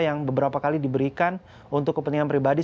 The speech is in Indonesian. yang beberapa kali diberikan untuk kepentingan pribadi